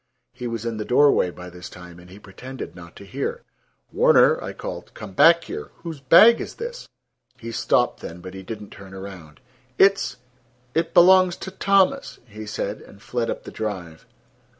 He was in the doorway by this time, and he pretended not to hear. "Warner," I called, "come back here. Whose bag is this?" He stopped then, but he did not turn around. "It's—it belongs to Thomas," he said, and fled up the drive.